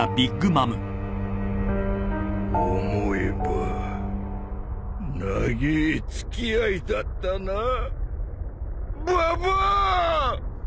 思えば長え付き合いだったなババア！